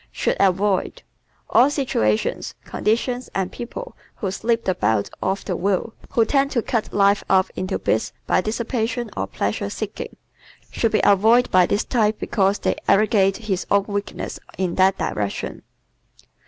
Should Avoid ¶ All situations, conditions and people who "Slip the belt off the will," who tend to cut life up into bits by dissipation or pleasure seeking, should be avoided by this type because they aggravate his own weaknesses in that direction.